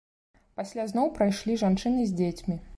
Пасля зноў прайшлі жанчыны з дзецьмі.